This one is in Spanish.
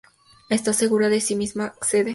Estas, seguras de sí misma acceden.